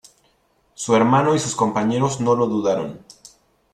Su hermano y sus compañeros no lo dudaron.